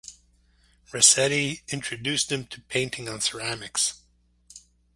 Rasetti introduced them to painting on ceramics.